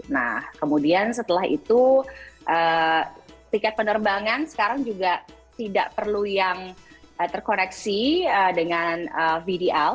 nah kemudian setelah itu tiket penerbangan sekarang juga tidak perlu yang terkoneksi dengan vdl